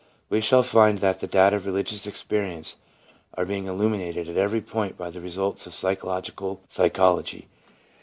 We shall find that the data of religious experience are being illuminated at every point by the results of physiological psychology.